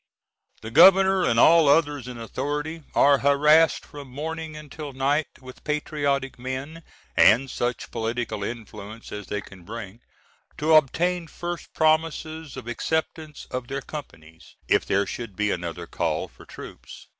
The Governor, and all others in authority, are harassed from morning until night with patriotic men, and such political influence as they can bring, to obtain first promises of acceptance of their companies, if there should be another call for troops.